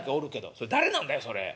「それ誰なんだよそれ」。